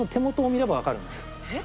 えっ？